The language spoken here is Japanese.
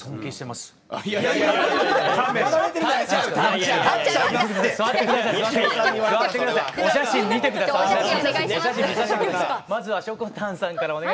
まずはしょこたんさんからお願いします。